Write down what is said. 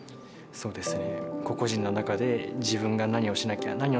そうですね。